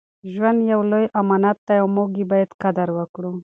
ژوند یو لوی امانت دی او موږ یې باید قدر وکړو.